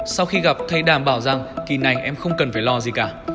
sau khi gặp thầy đảm bảo rằng kỳ này em không cần phải lo gì cả